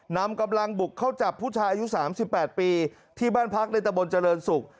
นำกำลังบุกเข้าจับผู้ชายอายุ๓๘ปีที่บ้านพักในตะบนเจริญศุกร์